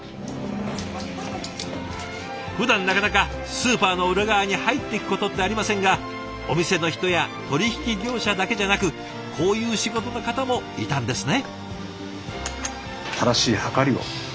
ふだんなかなかスーパーの裏側に入っていくことってありませんがお店の人や取引業者だけじゃなくこういう仕事の方もいたんですね。